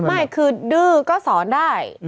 ไม่คือดื้อก็สอนได้